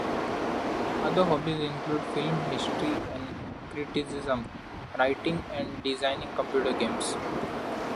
Other hobbies include film history and criticism, writing, and designing computer games.